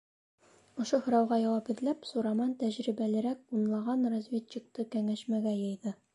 Ошо һорауға яуап эҙләп Сураман тәжрибәлерәк унлаған разведчикты кәңәшмәгә йыйҙы.